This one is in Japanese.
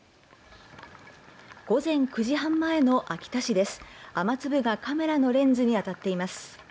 午前９時半前の秋田市です。